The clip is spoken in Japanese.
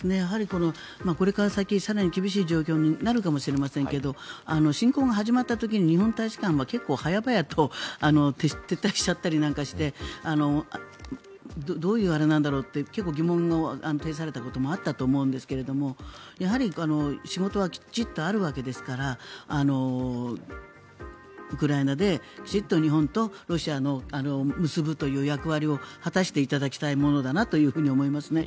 これから先更に厳しい状況になるかもしれませんが侵攻が始まった時に日本大使館は結構早々と撤退したりしてしまってどういうあれなんだろうって疑問を呈されたこともあるんですけど仕事はきちんとあるわけですからウクライナできちんと日本とロシアを結ぶという役割を果たしていただきたいものだなと思いますね。